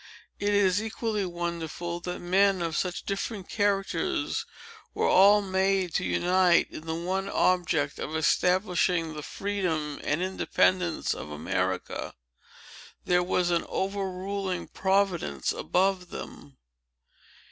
It is equally wonderful, that men of such different characters were all made to unite in the one object of establishing the freedom and independence of America. There was an overruling Providence above them."